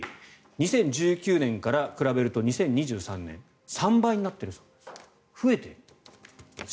２０１９年から比べると２０２３年は３倍になっているそうです。